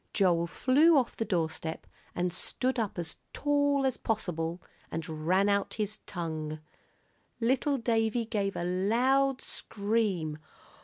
Joel flew off the doorstep and stood up as tall as possible and ran out his tongue. Little Davie gave a loud scream.